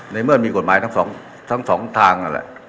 ในเมื่อมีกฏหมายทั้ง๒ทาง